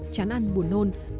chán ăn buồn nôn